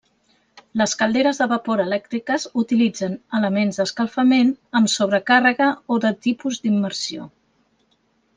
Les calderes de vapor elèctriques utilitzen elements d'escalfament amb sobrecàrrega o de tipus d'immersió.